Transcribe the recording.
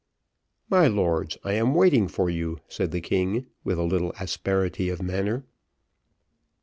"My lords, I am waiting for you," said the king, with a little asperity of manner.